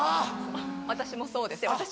私もそうですよ。